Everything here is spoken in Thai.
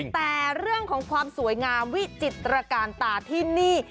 แต่เรื่องของความสวยงามวิจิตรการตาที่นี่